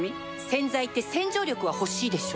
洗剤って洗浄力は欲しいでしょ